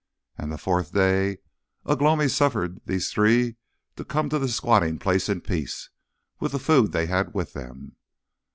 And the fourth day Ugh lomi suffered these three to come to the squatting place in peace, with the food they had with them.